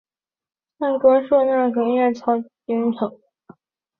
散馆授翰林院检讨。